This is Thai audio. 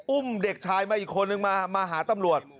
อุ้มเด็กชายมาอีกคนนึงมามาหาตำรวจ